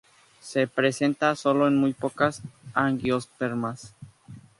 Se presenta solo en muy pocas Angiospermas.